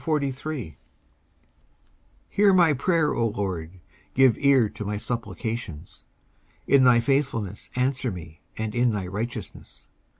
19:143:001 Hear my prayer, O LORD, give ear to my supplications: in thy faithfulness answer me, and in thy righteousness.